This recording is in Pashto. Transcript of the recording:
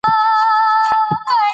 تاریخ د خپلو خلکو څېره ښيي.